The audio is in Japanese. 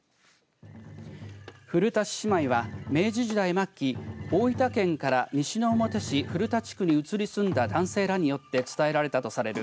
古田獅子舞は明治時代末期大分県から西之表市古田地区に移り住んだ男性らによって伝えられたとされる